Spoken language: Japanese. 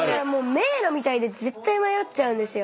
迷路みたいで絶対迷っちゃうんですよ。